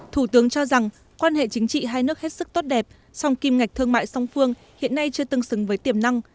thủ tướng cho rằng quan hệ chính trị hai nước hết sức tốt đẹp song kim ngạch thương mại song phương hiện nay chưa tương xứng với tiềm năng